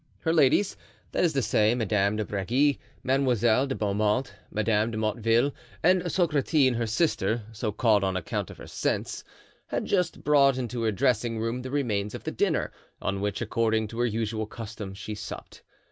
Her ladies—that is to say Madame de Bregy, Mademoiselle de Beaumont, Madame de Motteville, and Socratine, her sister, so called on account of her sense—had just brought into her dressing room the remains of the dinner, on which, according to her usual custom, she supped.